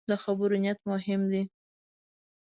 د خبرو نیت مهم دی